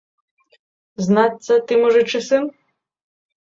Знацца, ты мужычы сын?